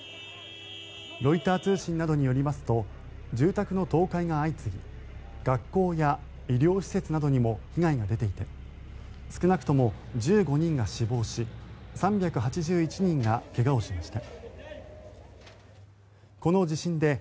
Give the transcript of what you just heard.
ロイター通信などによりますと住宅の倒壊が相次ぎ学校や医療施設などにも被害が出ていて少なくとも１５人が死亡し３８１人が怪我をしました。